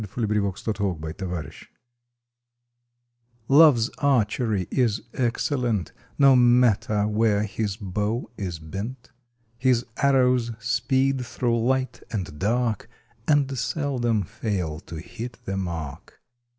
July Thirtieth WILLING TARGETS T OVE S archery is excellent, No matter where his bow is bent. His arrows speed through light and dark And seldom fail to hit the mark.